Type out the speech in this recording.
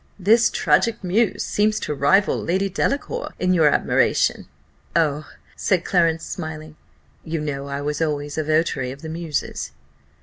This tragic muse seems to rival Lady Delacour in your admiration." "Oh," said Clarence, smiling, "you know I was always a votary of the muses."